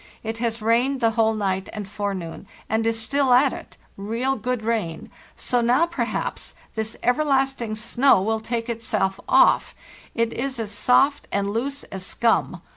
It has rained the whole night good rain: so now, and forenoon, and is still at it—real, ¢ perhaps, this everlasting snow will take itself off; it is as soft and loose as scum.